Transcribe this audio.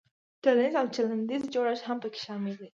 تولنیز او چلندیز جوړښت هم پکې شامل دی.